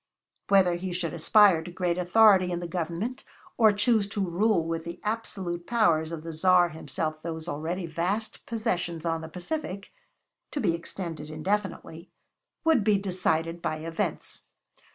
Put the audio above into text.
Whether he should aspire to great authority in the government, or choose to rule with the absolute powers of the Tsar himself these already vast possessions on the Pacific to be extended indefinitely would be decided by events.